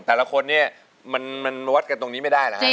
แต่ละคนนี่มันวัดกันตรงนี้ไม่ได้